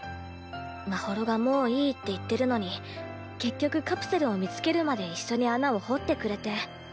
まほろがもういいって言ってるのに結局カプセルを見つけるまで一緒に穴を掘ってくれて。